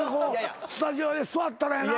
スタジオで座ったらやな。